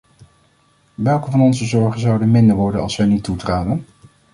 Welke van onze zorgen zouden minder worden, als zij niet toetraden?